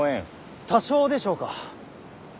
多少でしょうか。